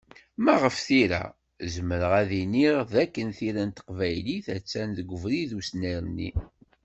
Ma ɣef tira, zemreɣ ad d-iniɣ d akken tira n teqbaylit, a-tt-an deg ubrid usnerni.